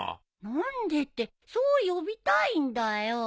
何でってそう呼びたいんだよ。